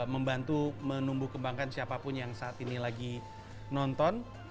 membantu menumbuh kembangkan siapapun yang saat ini lagi nonton